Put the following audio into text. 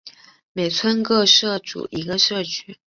每村各设组一个社区。